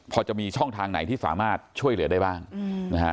พอจะมีช่องทางไหนที่สามารถช่วยเหลือได้บ้างนะฮะ